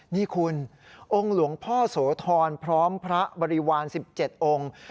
นี่คุณองค์หลวงพ่อโสธรพร้อมพระบริวาร๑๗องค์